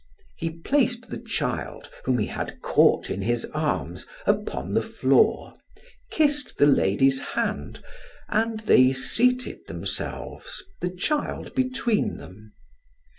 He placed the child, whom he had caught in his arms, upon the floor, kissed the lady's hand, and they seated themselves, the child between them.